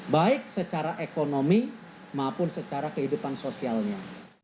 baik secara ekonomi maupun secara kehidupan sosialnya